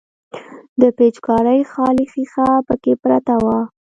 د پيچکارۍ خالي ښيښه پکښې پرته وه.